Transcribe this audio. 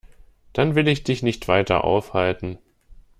Dann will ich dich nicht weiter aufhalten.